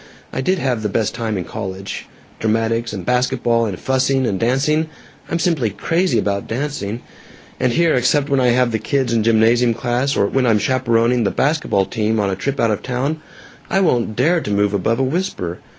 I did have the best time in college: dramatics and basket ball and fussing and dancing I'm simply crazy about dancing. And here, except when I have the kids in gymnasium class, or when I'm chaperoning the basket ball team on a trip out of town, I won't dare to move above a whisper.